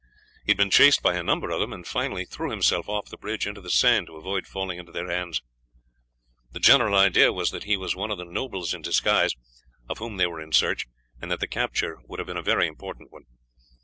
He had been chased by a number of them, and finally threw himself off the bridge into the Seine to avoid falling into their hands. The general idea was that he was one of the nobles in disguise, of whom they were in search, and that the capture would have been a very important one.